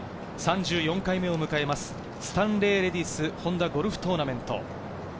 ３４回目を迎えます、スタンレーレディスホンダゴルフトーナメント。